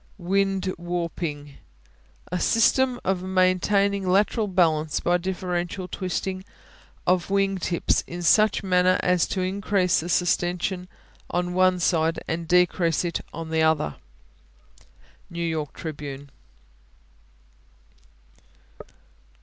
Wing Warping A system of maintaining lateral balance by differential twisting of wing tips in such manner as to increase the sustension on one side and decrease it on the other. New York Tribune.